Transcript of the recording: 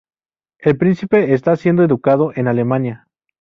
El príncipe está siendo educado en Alemania.